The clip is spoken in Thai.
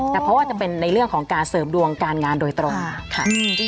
แต่เพราะว่าจะเป็นในเรื่องของการเสริมดวงการงานโดยตรงค่ะ